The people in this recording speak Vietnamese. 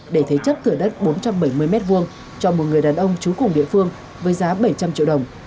để thế chấp thửa đất bốn trăm bảy mươi m hai cho một người đàn ông trú cùng địa phương với giá bảy trăm linh triệu đồng